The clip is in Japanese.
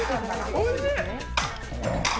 おいしい。